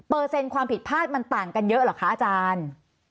เปอร์เซ็นต์ความผิดพลาดมันต่างกันเยอะหรือคะอาจารย์